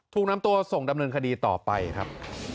ถูกนำตัวส่งดำเนินคดีต่อไปครับ